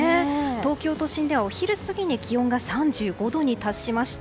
東京都心ではお昼過ぎに気温が３５度に達しました。